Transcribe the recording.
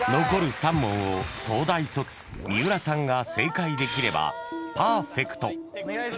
［残る３問を東大卒三浦さんが正解できればパーフェクト］